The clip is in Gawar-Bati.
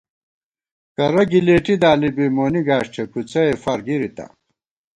کرہ گِلېٹی دالی بی مونی گاݭٹے کُوڅہ ئےفار گِرِتا